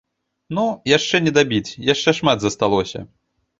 Ну, яшчэ не дабіць, яшчэ шмат засталося.